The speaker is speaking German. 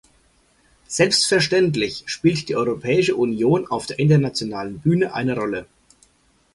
Selbstverständlich spielt die Europäische Union auf der internationalen Bühne eine Rolle.